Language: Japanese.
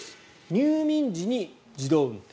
入眠時に自動運転。